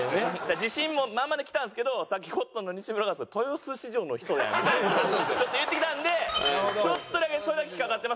自信満々で来たんですけどさっきコットンの西村が「豊洲市場の人やん」みたいなちょっと言ってきたんでちょっとだけそれだけ引っかかってます。